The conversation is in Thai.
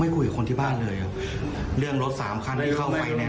คุยกับคนที่บ้านเลยครับเรื่องรถสามคันที่เข้าไปเนี่ย